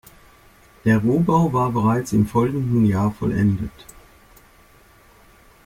Der Rohbau war bereits im folgenden Jahr vollendet.